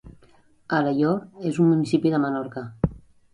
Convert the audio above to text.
Alaior és un municipi de Menorca.